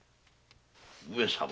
上様